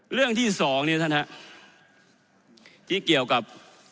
เรื่องที่สองเนี่ยท่านฮะที่เกี่ยวกับ